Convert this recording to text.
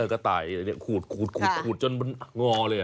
กะไตคูดจนมันง่อนเลย